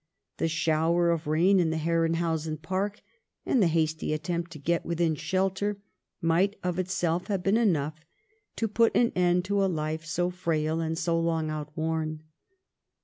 The shower of rain in the Herrenhausen park, and the hasty attempt to get within shelter, might of itself have been enough to put an end to a life so frail and so long outworn.